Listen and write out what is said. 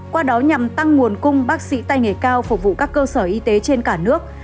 qua đó nhằm tăng nguồn cung bác sĩ tay nghề cao phục vụ các cơ sở y tế trên cả nước